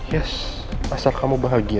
yes asal kamu bahagia